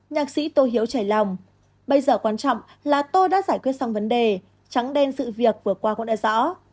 nhạc sĩ tô hiếu chảy lòng bây giờ quan trọng là tôi đã giải quyết xong vấn đề trắng đen sự việc vừa qua cũng đã rõ